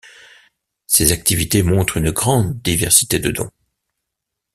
Ses activités montrent une grande diversité de dons.